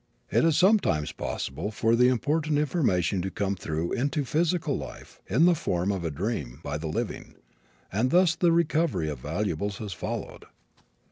It is sometimes possible for the important information to come through into physical life in the form of a dream by the living, and thus the recovery of valuables has followed.